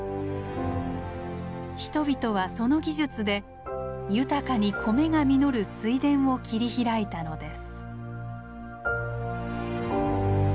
人々はその技術で豊かに米が実る水田を切り開いたのです。